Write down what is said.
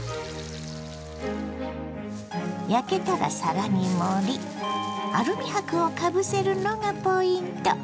焼けたら皿に盛りアルミ箔をかぶせるのがポイント。